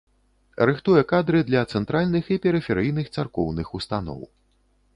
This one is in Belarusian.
Рыхтуе кадры для цэнтральных і перыферыйных царкоўных устаноў.